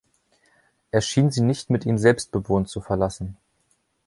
Er schien sie nicht mit ihm selbst bewohnt zu verlassen.